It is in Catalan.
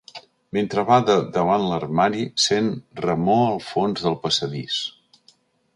Mentre bada davant l'armari sent remor al fons del passadís.